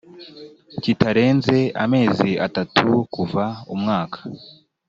kitarenze amezi atatu kuva umwaka